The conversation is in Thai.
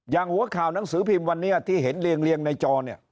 หัวข่าวหนังสือพิมพ์วันนี้ที่เห็นเรียงในจอเนี่ย